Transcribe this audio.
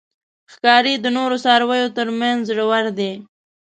ښکاري د نورو څارویو تر منځ زړور دی.